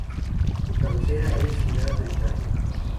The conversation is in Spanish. Su cabecera es Ciudad del Carmen.